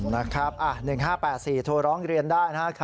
นะครับ๑๕๘๔โทรร้องเรียนได้นะครับ